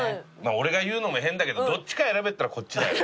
俺が言うのも変だけどどっちか選べっつったらこっちだよね。